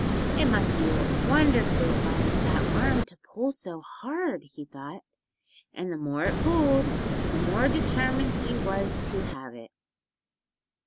It must be a wonderfully fine fat worm to pull so hard, he thought, and the more it pulled the more determined he was to have it.